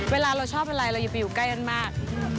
เวลาเราชอบอะไรเราอย่าไปอยู่ใกล้กันมาก